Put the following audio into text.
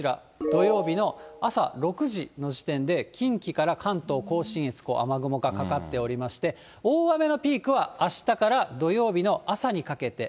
土曜日の朝６時の時点で、近畿から関東甲信越、雨雲がかかっておりまして、大雨のピークはあしたから土曜日の朝にかけて。